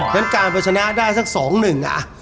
ฉะนั้นการไปชนะได้๒๑อ่ะ